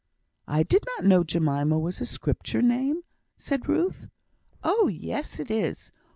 "I did not know Jemima was a Scripture name," said Ruth. "Oh yes, it is.